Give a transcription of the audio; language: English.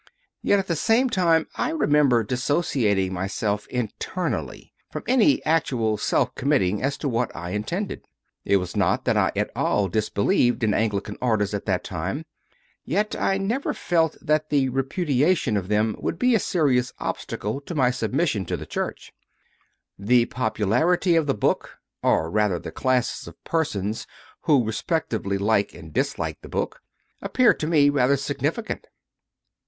Yet at the same time I remember dis sociating myself internally from any actual self CONFESSIONS OF A CONVERT 81 committing as to what I intended; it was not that I at all disbelieved in Anglican Orders at that time, yet I never felt that the repudiation of them would be a serious obstacle to my submission to the Church. J 2. The popularity of the book or rather, the classes of persons who, respectively, like and dislike the book appears to me rather significant.